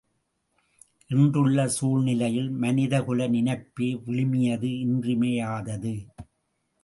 இன்றுள்ள சூழ்நிலையில் மனித குல நினைப்பே விழுமியது இன்றியமையாதது.